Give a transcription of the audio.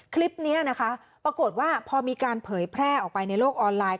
คลิปนี้นะคะปรากฏว่าพอมีการเผยแพร่ออกไปในโลกออนไลน์